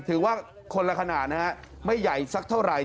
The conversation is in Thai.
ถือว่าคนละขนาดนะฮะไม่ใหญ่สักเท่าไหร่